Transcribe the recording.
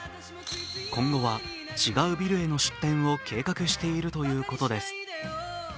今後は違うビルへの出店を計画しているということです。